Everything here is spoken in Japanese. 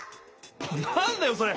なんだよそれ！